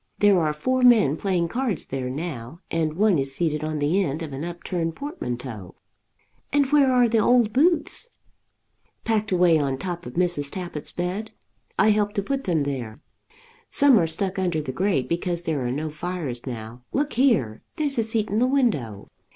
There are four men playing cards there now, and one is seated on the end of an upturned portmanteau." "And where are the old boots?" "Packed away on the top of Mrs. Tappitt's bed. I helped to put them there. Some are stuck under the grate because there are no fires now. Look here; there's a seat in the window."